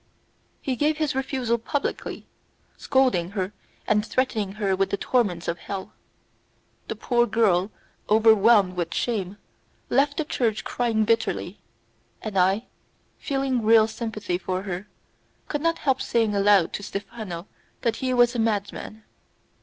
He gave his refusal publicly, scolding her and threatening her with the torments of hell. The poor girl, overwhelmed with shame, left the church crying bitterly, and I, feeling real sympathy for her, could not help saying aloud to Stephano that he was a madman.